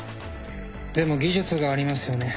でも技術がありますよね。